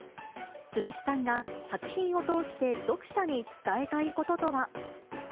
鈴木さんが作品を通して読者に伝えたいこととは。